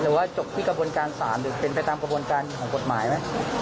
ว่าจบที่กระบวนการศาลหรือเป็นไปตามกระบวนการของกฎหมายไหม